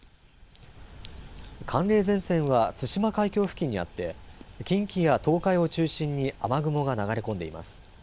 寒冷前線は対馬海峡付近にあって近畿や東海を中心に雨雲が流れ込んでいます。